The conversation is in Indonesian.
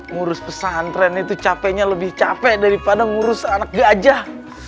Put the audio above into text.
ngurus pesantren itu capeknya lebih capek daripada ngurus anak gajah